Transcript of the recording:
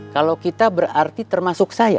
kalau kita berarti termasuk saya